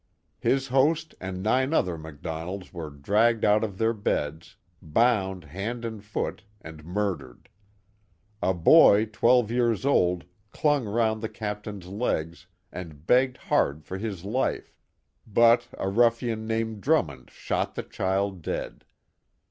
His host and nine other MacDonalds were dragged out of their beds, bound hand and foot, and murdered. A boy twelve years old clung round the Captain's legs, and begged hard for his life, bur a rufhan named Drummond shot the child dead.